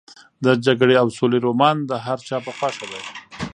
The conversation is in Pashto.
د جګړې او سولې رومان د هر چا په خوښه دی.